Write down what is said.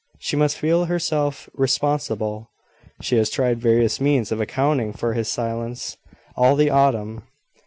She must feel herself responsible. She has tried various means of accounting for his silence, all the autumn.